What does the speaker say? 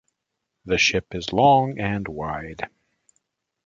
The ship is long and wide.